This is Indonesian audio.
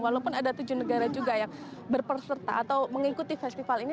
walaupun ada tujuh negara juga yang berperserta atau mengikuti festival ini